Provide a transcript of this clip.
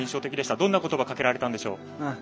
どんなことばをかけられたんでしょう？